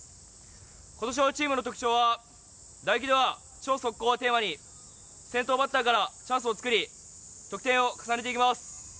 今年のチームの特徴は打撃では「超速攻」をテーマに先頭バッターからチャンスを作り得点を重ねていきます。